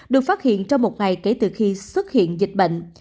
được phát hiện trong một ngày kể từ khi xuất hiện dịch bệnh